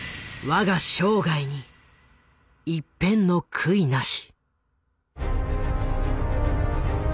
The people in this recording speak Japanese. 「わが生涯に一片の悔いなし！！」